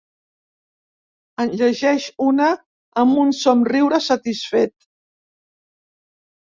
En llegeix una amb un somriure satisfet.